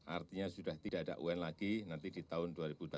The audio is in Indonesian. artinya sudah tidak ada un lagi nanti di tahun dua ribu dua puluh